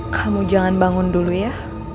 kamu jangan bangun dulu ya